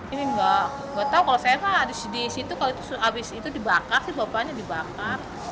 ini gak gak tau kalo saya kan habis disitu abis itu dibakar sih bapaknya dibakar